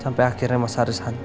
ramain kader kemarin